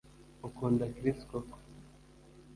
Ukunda Chris koko